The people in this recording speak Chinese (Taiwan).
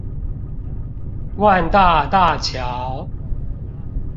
萬大大橋